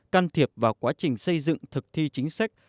can thiệp vào quá trình xây dựng thực thi chính sách